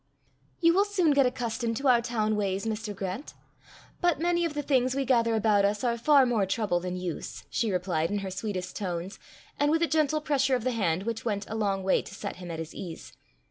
"You will soon get accustomed to our town ways, Mr. Grant. But many of the things we gather about us are far more trouble than use," she replied, in her sweetest tones, and with a gentle pressure of the hand, which went a long way to set him at his ease.